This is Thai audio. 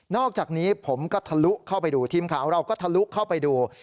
อกจากนี้ผมก็ทะลุเข้าไปดูทีมข่าวเราก็ทะลุเข้าไปดู